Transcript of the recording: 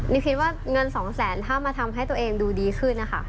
นี่คิดว่าเงินสองแสนถ้ามาทำให้ตัวเองดูดีขึ้นนะคะ